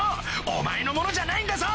お前のものじゃないんだぞ！